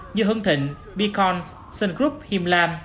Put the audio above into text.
như hưng thịnh beacons sun group him lam